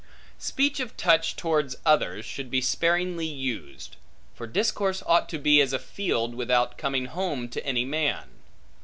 Speech of touch towards others, should be sparingly used; for discourse ought to be as a field, without coming home to any man.